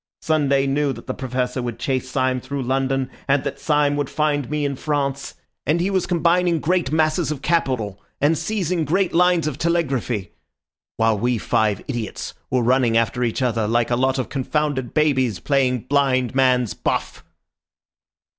Sunday knew that the Professor would chase Syme through London, and that Syme would fight me in France. And he was combining great masses of capital, and seizing great lines of telegraphy, while we five idiots were running after each other like a lot of confounded babies playing blind man's buff."